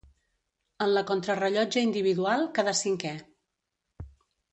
En la contrarellotge individual quedà cinquè.